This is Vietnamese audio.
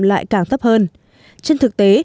lại càng thấp hơn trên thực tế